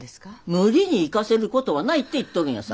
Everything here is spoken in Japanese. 無理に行かせることはないって言っとるんやさ。